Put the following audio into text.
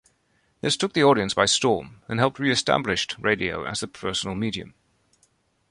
This took the audience by storm, and helped re-established radio as the personal medium.